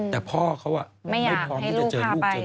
แต่พ่อเขาไม่พร้อมที่จะเจอลูกจริง